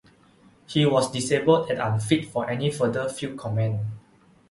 He was disabled and unfit for any further field command.